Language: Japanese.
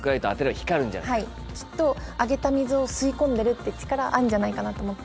はいきっとあげた水を吸い込んでるって力あるんじゃないかなと思って。